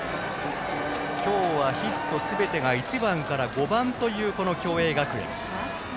今日はヒットすべてが１番から５番という共栄学園。